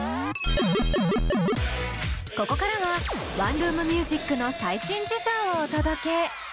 ここからはワンルーム☆ミュージックの最新事情をお届け！